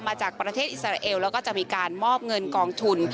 มาจากประเทศอิสราเอลแล้วก็จะมีการมอบเงินกองทุน